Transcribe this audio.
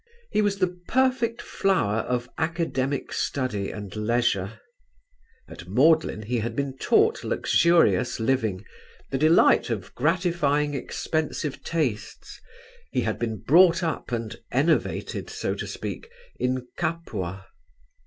He was the perfect flower of academic study and leisure. At Magdalen he had been taught luxurious living, the delight of gratifying expensive tastes; he had been brought up and enervated so to speak in Capua.